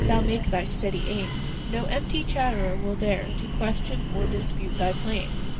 thou make thy steady aim, No empty chatterer will dare To question or dispute thy claim.